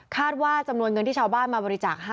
คาดว่าจำนวนเงินที่ชาวบ้านมาบริจาคให้เนี่ย